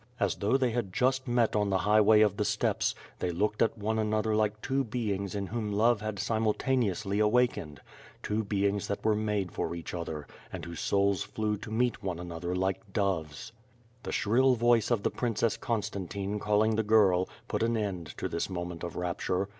As though they had just met on the highway of the steppes, they looked at one another like two beings in whom love had simultaneously awakened; two beings that were made for each other and whose souls flew to meet one another like doves. The shrill voice of the Princess Constantine calling the girl, put an end to this moment of rapture.